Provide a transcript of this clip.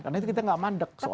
karena itu kita gak mandek soalnya